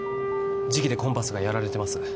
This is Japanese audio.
磁気でコンパスがやられてます